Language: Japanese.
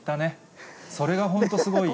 それが本当、すごいよ。